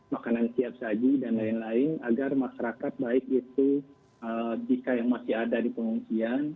makanan siap saji dan lain lain agar masyarakat baik itu jika yang masih ada di pengungsian